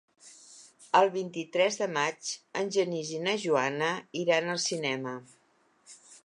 El vint-i-tres de maig en Genís i na Joana iran al cinema.